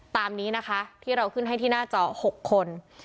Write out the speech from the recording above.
ตามนี้นะคะที่เราขึ้นให้ที่หน้าจอ๖คน